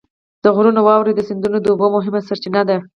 د غرونو واورې د سیندونو د اوبو مهمه سرچینه ده.